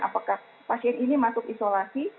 apakah pasien ini masuk isolasi